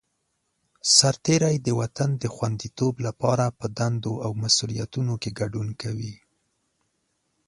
سرتېری د وطن د خوندیتوب لپاره په دندو او مسوولیتونو کې ګډون کوي.